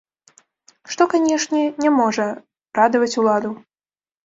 Што, канешне, не можа радаваць уладу.